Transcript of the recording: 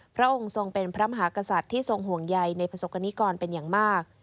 พระองค์ทรงเป็นพระมหากษัตริย์ที่ทรงห่วงใยในประสบกรณิกรเป็นอย่างมาก